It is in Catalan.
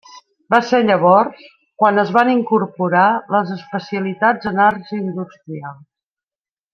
Va ser llavors quan es van incorporar les especialitats en arts industrials.